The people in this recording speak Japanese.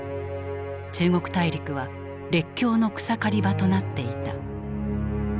中国大陸は列強の草刈り場となっていた。